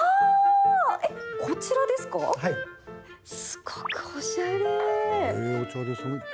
すごくおしゃれ。